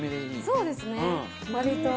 そうですね割と。